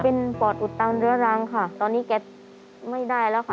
เป็นปอดอุดตันเรื้อรังค่ะตอนนี้แกไม่ได้แล้วค่ะ